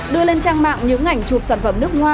đưa lên trang mạng những ảnh chụp sản phẩm nước hoa